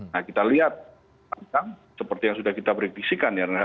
nah kita lihat seperti yang sudah kita berevisikan ya